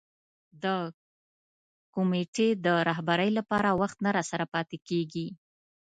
د کمېټې د رهبرۍ لپاره وخت نه راسره پیدا کېږي.